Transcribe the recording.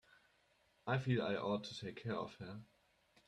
I feel I ought to take care of her.